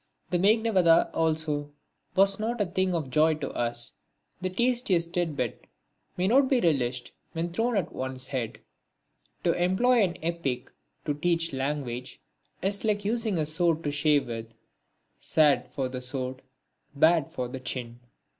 The Meghnadvadha, also, was not a thing of joy to us. The tastiest tit bit may not be relished when thrown at one's head. To employ an epic to teach language is like using a sword to shave with sad for the sword, bad for the chin.